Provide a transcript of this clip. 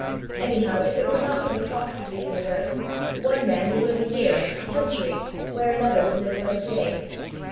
Anyhow, if it were not for the clocks of the universe, one man would live a year, a century, where another would live but a day.